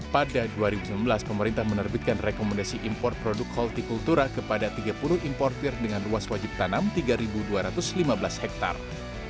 pada dua ribu sembilan belas pemerintah menerbitkan rekomendasi impor produk holti kultura kepada tiga puluh importir dengan luas wajib tanam tiga dua ratus lima belas hektare